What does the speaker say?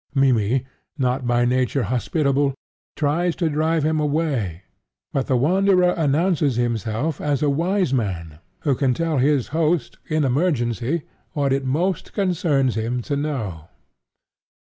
Mimmy, not by nature hospitable, tries to drive him away; but the Wanderer announces himself as a wise man, who can tell his host, in emergency, what it most concerns him to know.